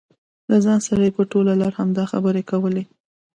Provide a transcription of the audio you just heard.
له ځان سره یې په ټوله لار همدا خبرې کولې.